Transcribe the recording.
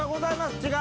違う？